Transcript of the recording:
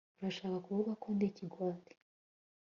Urashaka kuvuga ko ndi ikigwari